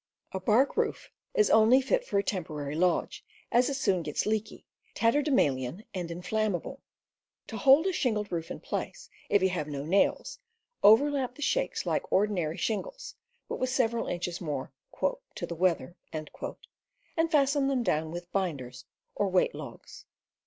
A bark roof is only fit for a temporary lodge, as it soon gets leaky, tatterdemalion, and inflammable. To hold a shingled roof in place, if you have no nails, overlap the shakes like ordinary shingles, but with several inches more "to the weather," and fasten them down with "binders" or "weight logs."